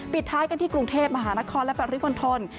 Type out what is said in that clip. ปิดท้ายกันที่กรุงเทพมหานครและปริมณฑล